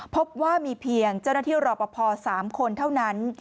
พบว่ามีเพียงเจ้าหน้าที่รอปภ๓คนเท่านั้น